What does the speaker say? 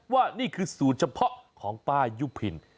ว่านี่คือสูตรเฉพาะของป้ายุพิน